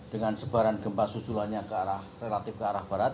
dengan sebaran gempa susulannya ke arah relatif ke arah barat